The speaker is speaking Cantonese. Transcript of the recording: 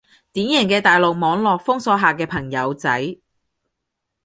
典型嘅大陸網絡封鎖下嘅朋友仔